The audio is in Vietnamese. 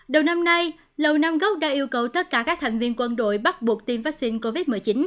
đầu năm nay lầu nam góc đã yêu cầu tất cả các thành viên quân đội bắt buộc tiêm vaccine covid một mươi chín